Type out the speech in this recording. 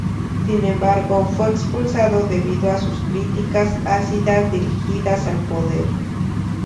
Sin embargo, fue expulsado debido a sus críticas ácidas dirigidas al poder.